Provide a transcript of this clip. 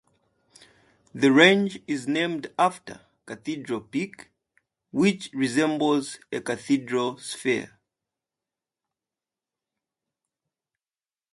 The range is named after Cathedral Peak, which resembles a cathedral spire.